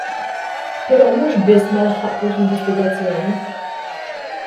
Però mhux biss ma laħħaqtux l-investigazzjoni.